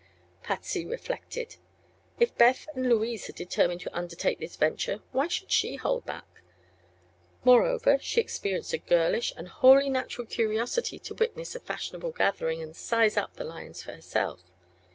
Patsy reflected. If Beth and Louise had determined to undertake this venture why should she hold back? Moreover, she experienced a girlish and wholly natural curiosity to witness a fashionable gathering and "size up" the lions for herself.